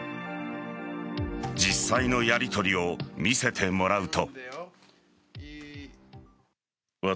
実際のやりとりを見せてもらうと。